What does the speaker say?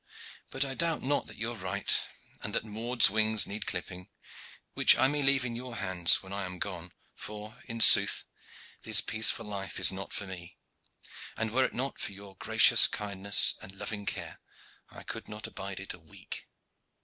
But I doubt not that you are right, and that Maude's wings need clipping, which I may leave in your hands when I am gone, for, in sooth, this peaceful life is not for me, and were it not for your gracious kindness and loving care I could not abide it a week.